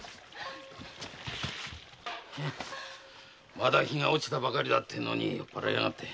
まだ日が落ちたばかりだってのに酔っぱらいやがって。